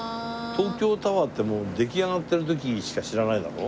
東京タワーってもう出来上がってる時しか知らないだろ？